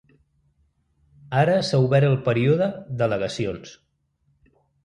Ara s’ha obert el període d’al·legacions.